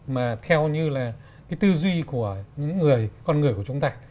mà theo như là tư duy của những con người của chúng ta